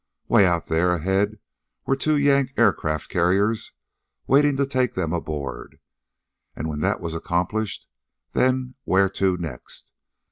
Way out there ahead were two Yank aircraft carriers waiting to take them aboard. And when that was accomplished, then where to next?